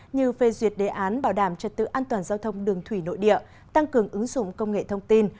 như phê duyệt đề án bảo đảm trật tự an toàn giao thông đường thủy nội địa tăng cường ứng dụng công nghệ thông tin